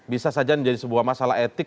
bisa saja menjadi sebuah masalah etik